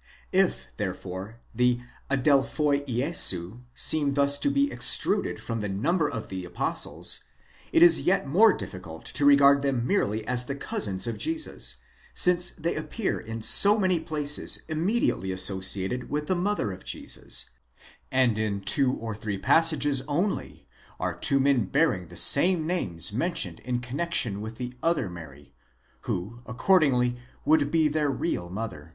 ® If, therefore, the ἀδελφοὶ ᾿Ιησοῦ seem thus to be extruded from the number of the apostles, it is yet more difficult to regard them merely as the cousins of Jesus, since they appear in so many places immediately associated with the mother of Jesus, and in two or three passages only are two men bearing the same names mentioned in connexion with the other Mary, who accordingly would be their real mother.